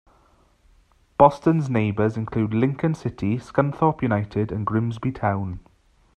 Boston's neighbours include Lincoln City, Scunthorpe United and Grimsby Town.